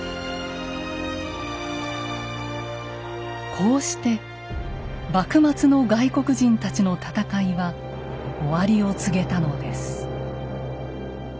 こうして幕末の外国人たちの戦いは終わりを告げたのです。